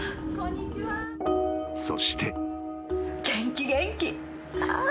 ［そして］